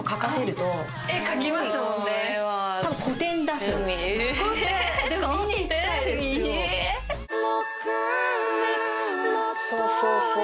そうそうそう。